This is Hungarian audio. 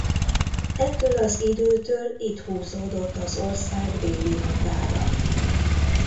Ettől az időtől itt húzódott az ország déli határa.